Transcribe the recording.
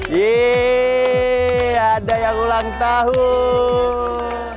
yeay ada yang ulang tahun